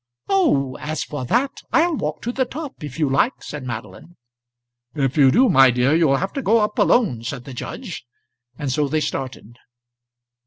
"Oh, as for that, I'll walk to the top if you like," said Madeline. "If you do, my dear, you'll have to go up alone," said the judge. And so they started.